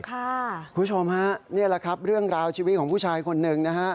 คุณผู้ชมฮะนี่แหละครับเรื่องราวชีวิตของผู้ชายคนหนึ่งนะฮะ